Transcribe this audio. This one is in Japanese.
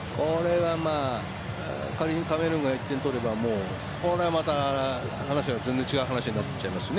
仮にカメルーンが１点取ればこれまた話が全然違う話になっちゃいますからね